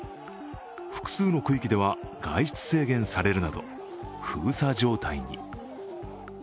複数の区域では外出制限されるなど封鎖状態に。